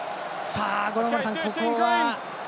五郎丸さん、ここは。